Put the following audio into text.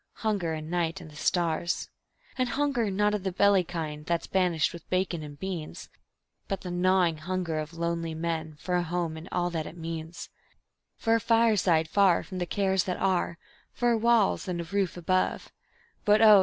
hunger and night and the stars. And hunger not of the belly kind, that's banished with bacon and beans, But the gnawing hunger of lonely men for a home and all that it means; For a fireside far from the cares that are, four walls and a roof above; But oh!